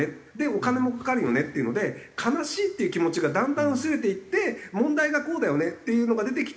お金もかかるよねっていうので悲しいっていう気持ちがだんだん薄れていって問題がこうだよねっていうのが出てきて。